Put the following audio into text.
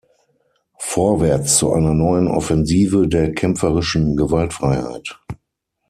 Vorwärts zu einer neuen Offensive der kämpferischen Gewaltfreiheit“.